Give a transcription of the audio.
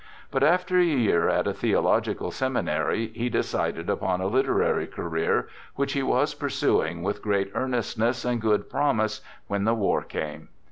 But after a year at a Theological Seminary, he decided upon a literary career, which he was pursuing with great earnestness and good promise, when the war came.